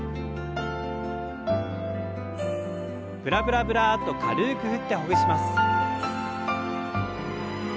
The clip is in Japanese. ブラブラブラッと軽く振ってほぐします。